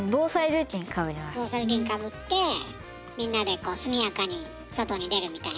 防災頭巾かぶってみんなで速やかに外に出るみたいな？